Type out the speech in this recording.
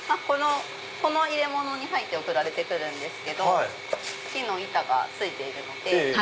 この入れ物に入って送られてくるんですけど木の板がついているので。